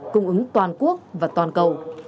cung ứng toàn quốc và toàn cầu